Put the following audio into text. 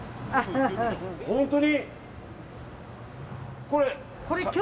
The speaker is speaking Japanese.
本当に？